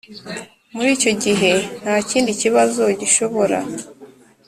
Muri icyo gihe nta kindi kibazo gishobora